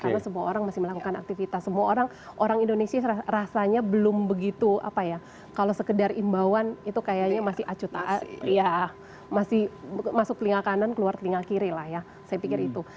karena semua orang masih melakukan aktivitas semua orang indonesia rasanya belum begitu apa ya kalau sekedar imbauan itu kayaknya masih acu tak masih masuk telinga kanan keluar telinga kiri lah ya saya pikir itu